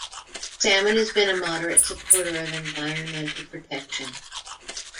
Salmon has been a moderate supporter of environmental protection.